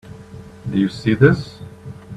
Do you see this?